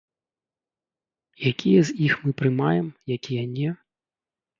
Якія з іх мы прымаем, якія не?